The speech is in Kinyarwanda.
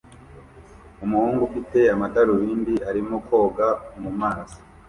Umuhungu ufite amadarubindi arimo koga mumazi